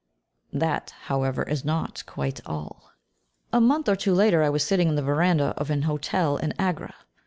That, however, is not quite all. A month or two later I was sitting in the verandah of an hotel in Agra.